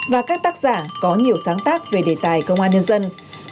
và các tác giả có nhiều sáng tác về đề tài công an nhân dân